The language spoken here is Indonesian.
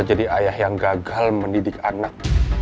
jadi ayah yang gagal mendidik anak